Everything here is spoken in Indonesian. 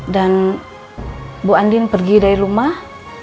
dan bu andin pergi dari rumah